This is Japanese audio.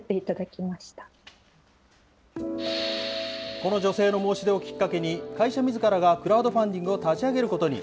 この女性の申し出をきっかけに、会社みずからがクラウドファンディングを立ち上げることに。